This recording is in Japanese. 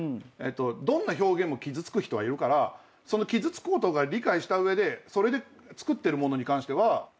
どんな表現も傷つく人はいるから傷つくことが理解した上でそれで作ってるものに関してはいいコンプラっていうか。